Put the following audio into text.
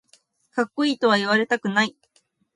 かっこいいとは言われたくない